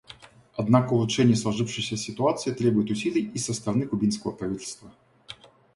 Однако улучшение сложившейся ситуации требует усилий и со стороны кубинского правительства.